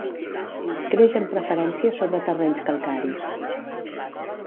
Creix amb preferència sobre terrenys calcaris.